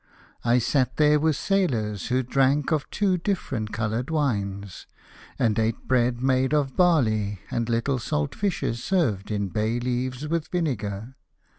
I sat there with sailors who drank of two different coloured wines, and ate bread made of barley, and little salt fish served in bay leaves with vinegar.